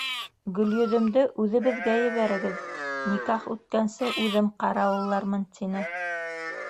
Гөлйөҙөмдө үҙебеҙгә ебәрегеҙ, никах үткәнсе, үҙем ҡарауыллармын, — тине.